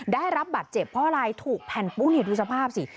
ได้รับบัตรเจ็บเพราะอะไรถูกแผ่นปูนดูสภาพสิ